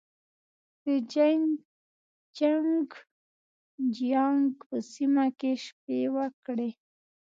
د جين چنګ جيانګ په سیمه کې شپې وکړې.